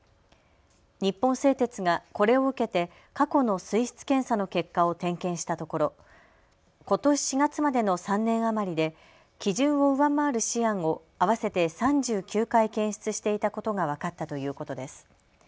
日本製鉄がこれを受けて過去の水質検査の結果を点検したところ、ことし４月までの３年余りで基準を上回るシアンを合わせて３９回検出していたことが分かったということです。